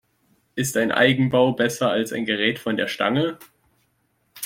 Ist ein Eigenbau besser als ein Gerät von der Stange?